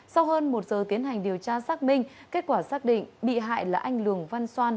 sau hơn một giờ tiến hành điều tra xác minh kết quả xác định bị hại là anh lường văn xoan